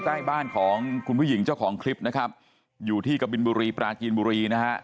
ใกล้บ้านของคุณผู้หญิงเจ้าของคลิปนะครับอยู่ที่กะบินบุรีปราจีนบุรีนะฮะ